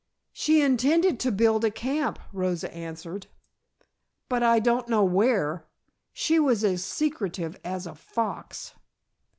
"She intended to build a camp," Rosa answered, "but I don't know where. She was as secretive as a fox."